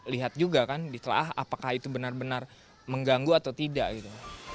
lihat juga kan ditelah apakah itu benar benar mengganggu atau tidak gitu